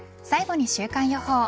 最後に週間予報。